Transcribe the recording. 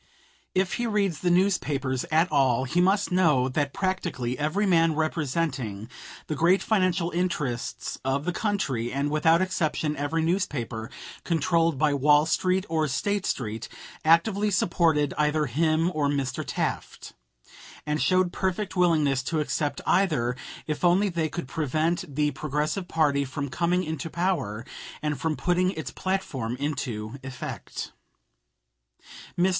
If he reads the newspapers at all, he must know that practically every man representing the great financial interests of the country, and without exception every newspaper controlled by Wall Street or State Street, actively supported either him or Mr. Taft, and showed perfect willingness to accept either if only they could prevent the Progressive party from coming into power and from putting its platform into effect. Mr.